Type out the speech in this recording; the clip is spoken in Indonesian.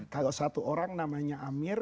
kalau satu orang namanya amir